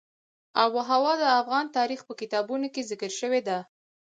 آب وهوا د افغان تاریخ په کتابونو کې ذکر شوې ده.